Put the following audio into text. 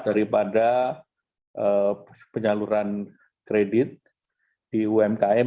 daripada penyaluran kredit di umkm